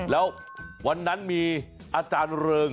แล้ววันนั้นมีอาจารย์เริง